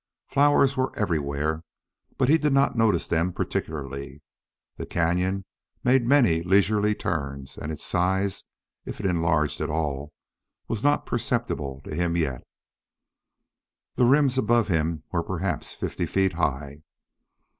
Flowers were everywhere, but he did not notice them particularly. The cañon made many leisurely turns, and its size, if it enlarged at all, was not perceptible to him yet. The rims above him were perhaps fifty feet high.